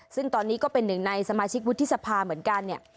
ซึ่งตอนนี้ก็เป็นหนึ่งในสมาชิกวุฒิสภาเหมือนกันเนี่ย